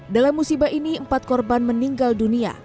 dalam musibah ini empat korban meninggal dunia